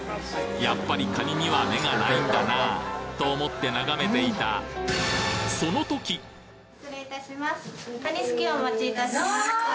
やっぱりカニには目がないんだなと思って眺めていた失礼いたします。